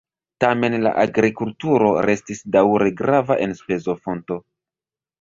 Tamen la agrikulturo restis daŭre grava enspezofonto.